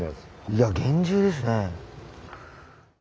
いや厳重ですね。